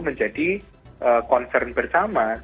menjadi concern bersama